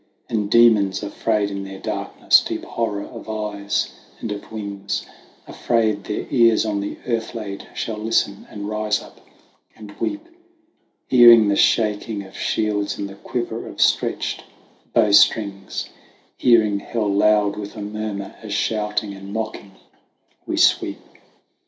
And demons afraid in their darkness; deep horror of eyes and of wings, THE WANDERINGS OF OISIN 147 Afraid their ears on the earth laid, shall listen and rise up and weep ; Hearing the shaking of shields and the quiver of stretched bowstrings, Hearing hell loud with a murmur, as shouting and mocking we sweep.